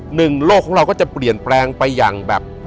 โลกของเราก็จะเปลี่ยนแปลงไปอย่างแบบ